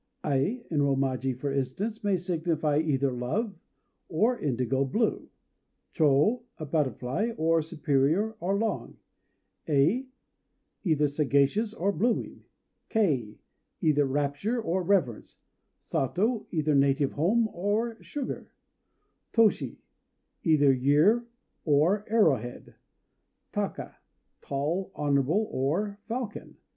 Ai in Romaji, for instance, may signify either "love" or "indigo blue"; Chô, "a butterfly," or "superior," or "long"; Ei, either "sagacious" or "blooming"; Kei, either "rapture" or "reverence"; Sato, either "native home" or "sugar"; Toshi, either "year" or "arrow head"; Taka, "tall," "honorable," or "falcon."